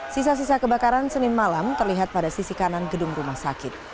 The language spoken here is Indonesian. sisa sisa kebakaran senin malam terlihat pada sisi kanan gedung rumah sakit